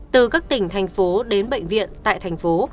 từ các tỉnh thành phố đến bệnh viện tại thành phố